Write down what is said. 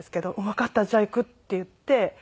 「わかった。じゃあ行く」って言って。